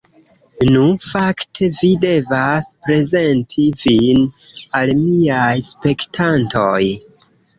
Nu, fakte, vi devas prezenti vin al miaj spektantoj